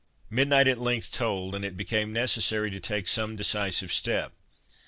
Midnight at length tolled, and it became necessary to take some decisive step.